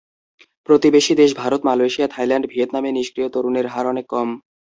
প্রতিবেশী দেশ Bharat, Malaysia, Thailand, ভিয়েতনামে নিষ্ক্রিয় তরুণের হার অনেক কম।